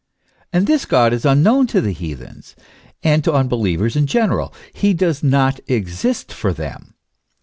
And this God is unknown to heathens, and to unbelievers in general ; he does not exist for them.